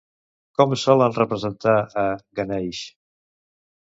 Com solen representar a Ganeix?